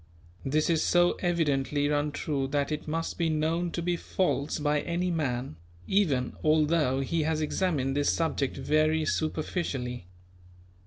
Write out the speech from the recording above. This is so evidently untrue that it must be known to be false by any man, even although he has examined this subject very superficially.